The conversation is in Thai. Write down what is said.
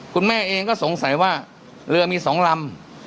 คุณแม่เองก็สงสัยว่าเรือมี๒ลำ